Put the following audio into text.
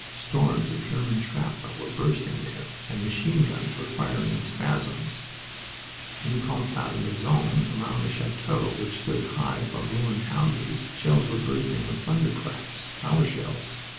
Storms of German shrapnel were bursting there, and machineguns were firing in spasms. In Contalmaison, round a chateau which stood high above ruined houses, shells were bursting with thunderclaps, our shells.